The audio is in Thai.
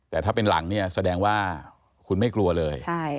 แต่ถ้าเป็นหลังเนี่ยแสดงว่าคุณไม่กลัวเลย